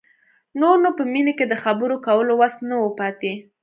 نور نو په مينې کې د خبرو کولو وس نه و پاتې.